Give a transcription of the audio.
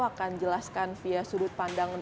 akan jelaskan fia sudut pandang